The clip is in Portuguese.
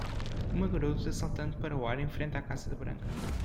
Uma garota saltando para o ar em frente à casa Branca.